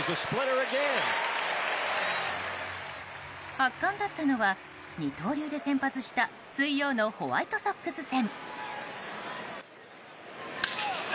圧巻だったのは二刀流で先発した水曜のホワイトソックス戦。